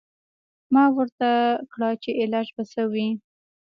ما ورته کړه چې علاج به څه وي.